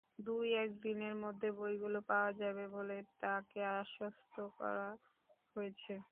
দুই-এক দিনের মধ্যে বইগুলো পাওয়া যাবে বলে তাঁকে আশ্বস্ত করা হয়েছে।